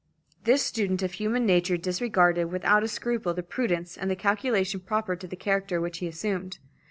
This student of human nature disregarded without a scruple the prudence and the calculation proper to the character which he assumed.